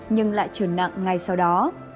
nhưng lại trở nặng ngay sau đó